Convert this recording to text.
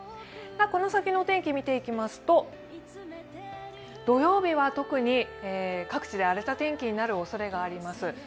この先のお天気を見てみますと土曜日は特に各地で荒れた天気になります。